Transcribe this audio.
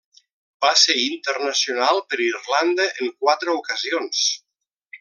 Va ser internacional per Irlanda en quatre ocasions.